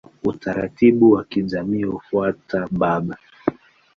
Utaratibu wa kijamii hufuata baba.